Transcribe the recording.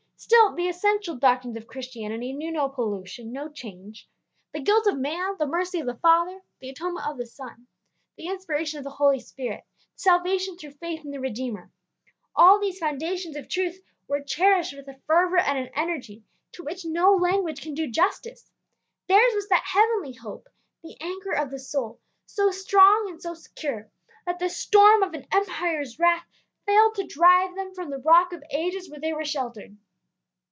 Still, the essential doctrines of Christianity knew no pollution, no change. The guilt of man, the mercy of the Father, the atonement of the Son, the inspiration of the Holy Spirit, salvation through faith in the Redeemer, all these foundations of truth were cherished with a fervor and an energy to which no language can do justice. Theirs was that heavenly hope, the anchor of the soul, so strong and so secure that the storm of an empire's wrath failed to drive them from the Rock of Ages where they were sheltered.